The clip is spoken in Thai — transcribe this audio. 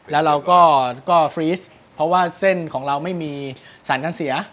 แล้วเราก็ฟรีสเพราะว่าเส้นของเราไม่มีสารการเสีย